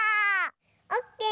オッケー！